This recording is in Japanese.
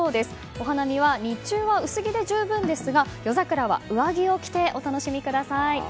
お花見は日中は薄着で十分ですが夜桜は上着を着てお楽しみください。